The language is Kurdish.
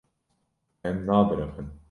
Em nabiriqin.